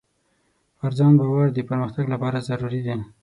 پر ځان باور د پرمختګ لپاره ضروري دی.